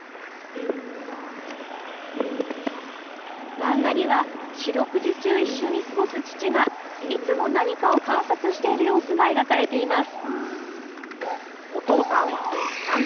漫画には四六時中一緒に過ごす父がいつも何かを観察している様子が描かれています。